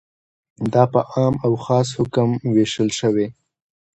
دا په عام او خاص حکم ویشل شوی.